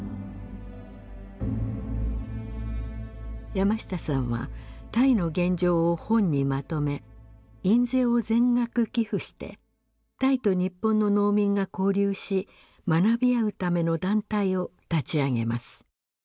山下さんはタイの現状を本にまとめ印税を全額寄付してタイと日本の農民が交流し学び合うための団体を立ち上げます。